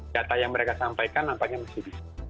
data yang mereka sampaikan nampaknya masih bisa